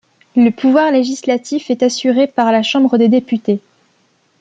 Le pouvoir législatif est assuré par la Chambre des députés.